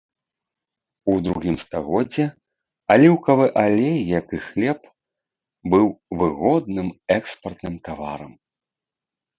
У другім стагоддзі аліўкавы алей, як і хлеб, быў выгодным экспартным таварам.